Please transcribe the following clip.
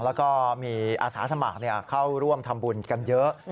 แล้วก็มีอาสาสมัครเข้าร่วมทำบุญกันเยอะ